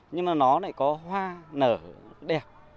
nhưng mà nó lại có hoa nở đẹp